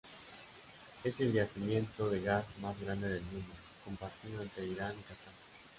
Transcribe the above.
Es el yacimiento de gas más grande del mundo, compartido entre Irán y Catar.